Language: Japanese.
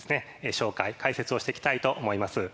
紹介解説をしていきたいと思います。